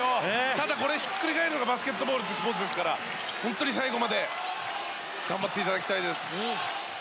ただ、これがひっくり返るのがバスケットボールというスポーツですから本当に最後まで頑張っていただきたいです。